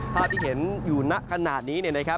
ภาพที่เห็นอยู่นักขนาดนี้นะครับ